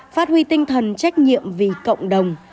phát huy tinh thần trách nhiệm vì cộng đồng